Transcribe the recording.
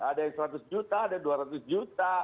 ada yang seratus juta ada yang dua ratus juta